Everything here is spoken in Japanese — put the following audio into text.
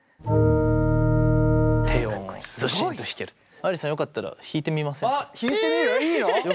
愛理さんよかったら弾いてみませんか。